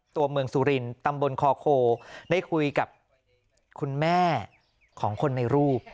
ตัวเมืองสุรินตำบลคอโคได้คุยกับคุณแม่ของคนในรูป